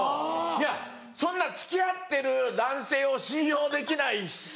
いやそんな付き合ってる男性を信用できない人。